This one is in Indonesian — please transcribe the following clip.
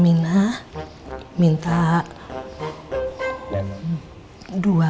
mina minta dua petakan ya